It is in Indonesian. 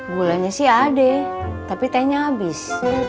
gulanya sih ade tapi tehnya habis